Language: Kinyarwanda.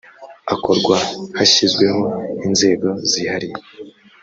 akorwa hashyizweho inzego zihariye.